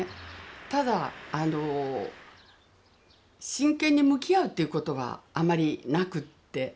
ただ真剣に向き合うっていうことがあんまりなくって。